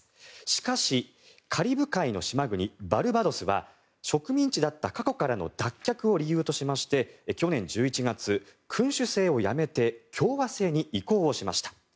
しかし、カリブ海の島国バルバドスは植民地だった過去からの脱却を理由としまして去年１１月、君主制をやめて共和制に移行をしました。